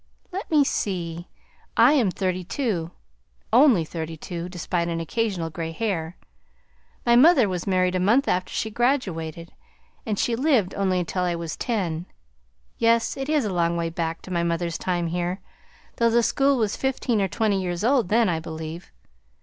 "Let me see, I am thirty two; only thirty two, despite an occasional gray hair. My mother was married a month after she graduated, and she lived only until I was ten; yes, it is a long way back to my mother's time here, though the school was fifteen or twenty years old then, I believe.